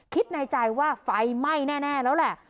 คิดในใจว่าไฟไหม้แน่แล้วแหละ